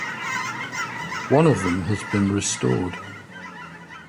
One of them has been restored.